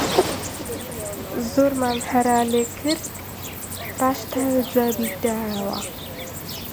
زۆرمان هەرا لێ کرد، پاش تاوێ جوابی داوە